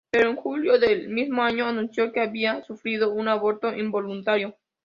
Pero en julio del mismo año anunció que había sufrido un aborto involuntario.